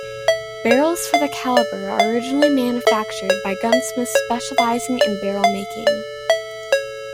Barrels for the caliber are originally manufactured by gunsmiths specializing in barrel making.